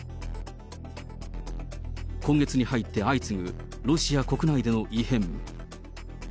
今月に入って相次ぐロシア国内での異変。